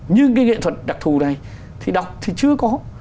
nhưng cái nghệ thuật đặc thù này thì đọc thì chưa có